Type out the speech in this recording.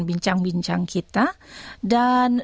bincang bincang kita dan